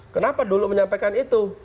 kenapa dulu menyampaikan itu